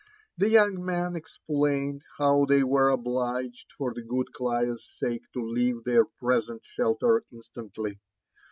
The young man explained how they were obUged for the good Clio's sake to leave their present shelter instantly.